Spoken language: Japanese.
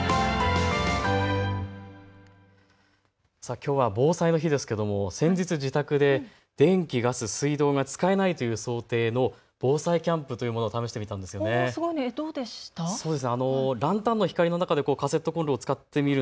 きょうは防災の日ですけれども先日、自宅で電気、ガス、水道が使えないという想定の防災キャンプというものを試してみたんです。